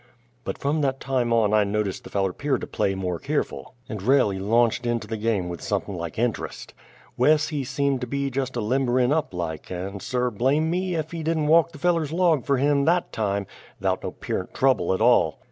But from that time on I noticed the feller 'peared to play more keerful, and railly la'nched into the game with somepin' like inter'st. Wes he seemed to be jest a limber in' up like; and sir, blame me! ef he didn't walk the feller's log fer him that time, 'thout no 'pearent trouble at all!